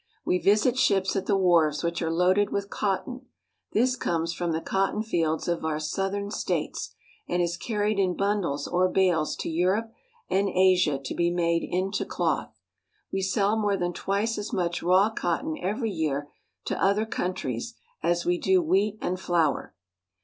We visit ships at the wharves which are loaded with cotton. This comes from the cotton fields of our southern states, and is carried in bundles or bales to Europe and Asia to be made into cloth. We sell more than twice as much raw cotton every year to other countries as we do wheat and flour.